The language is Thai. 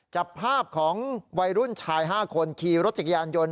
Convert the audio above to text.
จับภาพของวัยรุ่นชาย๕คนขี่รถจักรยานยนต์